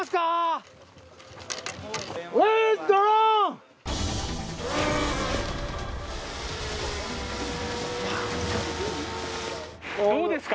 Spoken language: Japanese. どうですか？